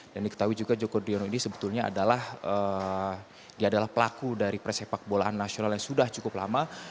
dan diketahui juga joko driono ini sebetulnya adalah pelaku dari presepak bolaan nasional yang sudah cukup lama